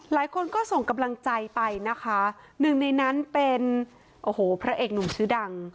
หลายคนก็ส่งกำลังใจไปนะคะหนึ่งในนั้นเป็นโอ้โหพระเอกหนุ่มชื่อดัง